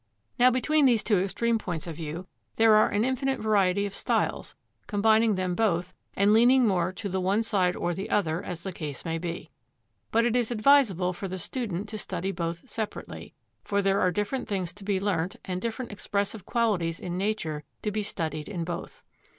Now, between these two extreme points of view there are an infinite variety of styles combining them both and leaning more to the one side or the other, as the case may be. But it is advisable for the student to study both separately, for there are different things to be learnt and different expressive qualities in nature to be studied in both.